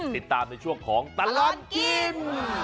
ติดตามในช่วงของตลอดกิน